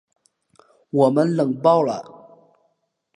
我们冷爆了